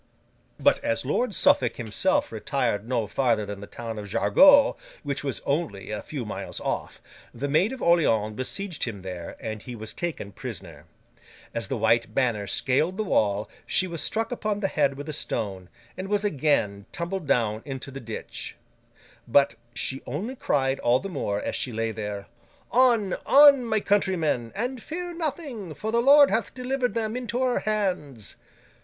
But as Lord Suffolk himself retired no farther than the town of Jargeau, which was only a few miles off, the Maid of Orleans besieged him there, and he was taken prisoner. As the white banner scaled the wall, she was struck upon the head with a stone, and was again tumbled down into the ditch; but, she only cried all the more, as she lay there, 'On, on, my countrymen! And fear nothing, for the Lord hath delivered them into our hands!